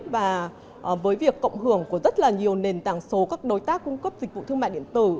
và với việc cộng hưởng của rất là nhiều nền tảng số các đối tác cung cấp dịch vụ thương mại điện tử